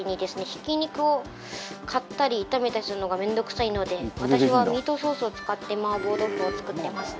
ひき肉を買ったり炒めたりするのが面倒くさいので私はミートソースを使って麻婆豆腐を作ってますね。